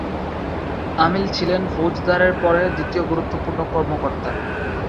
আমিল ছিলেন ফৌজদারের পরে দ্বিতীয় গুরুত্বপূর্ণ কর্মকর্তা।